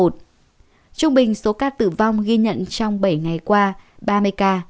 trung bình số ca tử vong ghi nhận trong bảy ngày qua ba mươi ca